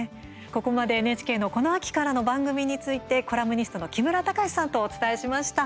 ここまでＮＨＫのこの秋からの番組についてコラムニストの木村隆志さんとお伝えしました。